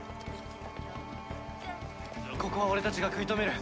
ここは俺たちが食い止める。